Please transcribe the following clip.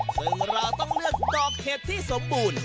ซึ่งเราต้องเลือกดอกเห็ดที่สมบูรณ์